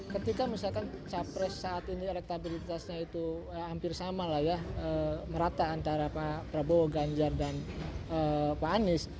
ketika misalkan capres saat ini elektabilitasnya itu hampir sama lah ya merata antara pak prabowo ganjar dan pak anies